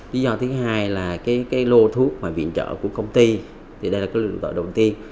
lý do thứ hai là cái lô thuốc và viện trợ của công ty thì đây là cái lựa chọn đầu tiên